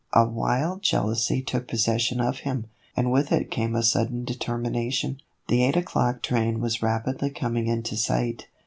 A wild jealousy took possession of him, and with it came a sudden determination. The eight o'clock train was rapidly coming into sight.